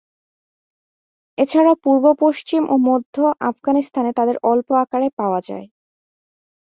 এছাড়াও পূর্ব, পশ্চিম ও মধ্য আফগানিস্তানে তাদের অল্প আকারে পাওয়াযায়।